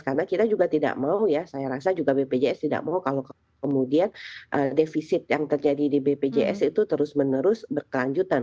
karena kita juga tidak mau ya saya rasa juga bpjs tidak mau kalau kemudian defisit yang terjadi di bpjs itu terus menerus berkelanjutan